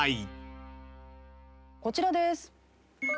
こちらです。